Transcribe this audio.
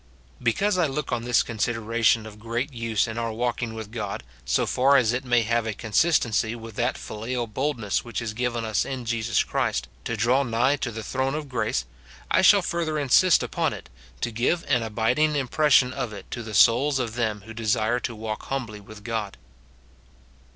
Because I look on this consideration of great use in our walking with God, so far as it may have a consist ency with that filial boldness which is given us in Jesus * Isa. xl. 12 25. 262 9 MORTIFICATION OF Christ to draw nigh to the throne of grace, I shall further insist upon it, to give an abiding impression of it to the souls of them who desire to walk humbly with God.